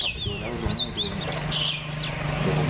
จะพาคุณผู้ชมไปดูบรรยากาศตอนที่เจ้าหน้าที่เข้าไปในบ้าน